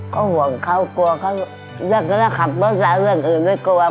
ก็ห่วงเขากลัวเขาแล้วก็จะขับตัวซ้ายเรื่องอื่นไม่กลัว